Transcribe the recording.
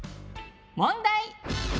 問題！